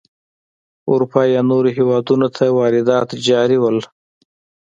اروپا یا نورو هېوادونو ته واردات جاري وو.